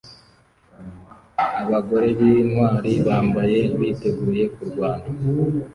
Abagore b'intwali bambaye biteguye kurwana